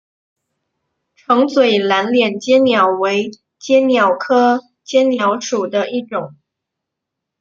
橙嘴蓝脸鲣鸟为鲣鸟科鲣鸟属的一种。